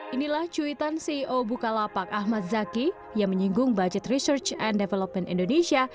inilah cuitan ceo bukalapak ahmad zaki yang menyinggung budget research and development indonesia